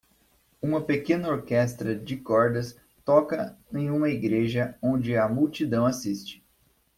Uma pequena orquestra de cordas toca em uma igreja onde a multidão assiste.